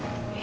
iya juga sih